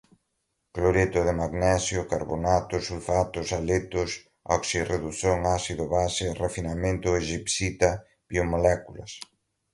cloreto de magnésio, carbonatos, sulfatos, haletos, oxi-redução, ácido-base, refinamento, gipsita, biomoléculas